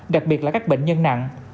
đặc biệt là các bệnh nhân nặng